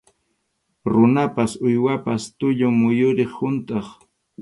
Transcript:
Runapa, uywapa tullun muyuriq huntʼaq.